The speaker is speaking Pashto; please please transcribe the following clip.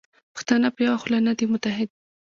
پښتانه په یوه خوله نه دي متحد.